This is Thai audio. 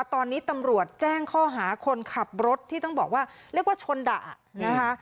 ตอนนี้ตำรวจแจ้งข้อหาคนขับรถที่ต้องบอกว่าเรียกว่าชนด่านะคะ